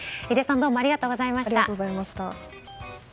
井出さんどうもありがとうございました。